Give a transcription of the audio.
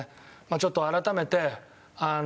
ちょっと改めてあの。